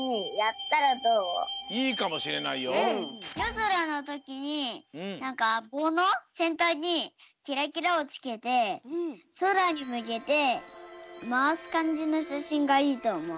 ぞらのときになんかぼうのせんたんにキラキラをつけてそらにむけてまわすかんじのしゃしんがいいとおもう。